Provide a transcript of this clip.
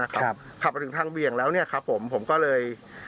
ขับไปถึงทางเบียงแล้วผมก็เลย